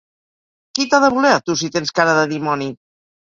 Qui t’ha de voler a tu si tens cara de dimoni?